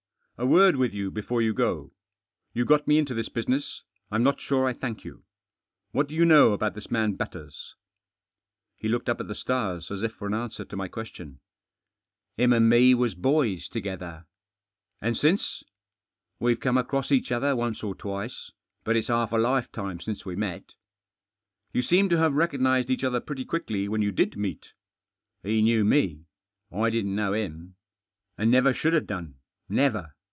A word with you before you go. You got me into this business. I'm hot sure I thank you. What do you know about this matt Batters?" He looked up at the stars, as if for att answer to my question. " Hiih and me was boys together*" "And since?" « WeVe fome across each other onte or twite, fiat it's half a lifetime since we met." "You seem to have recognised each othef pretty quickly Whett ydti did meet." "He knew me. I didn't know him. And never should have done — never.